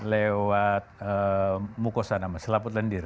lewat mukosa nama selaput lendir